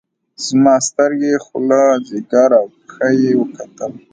زما سترګې خوله ځيګر او پښه يې کتل.